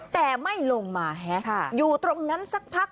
แต่ไม่ลงมาอยู่ตรงนั้นสักพัก